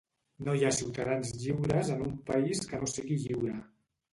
No hi ha ciutadans lliures en un país que no sigui lliure.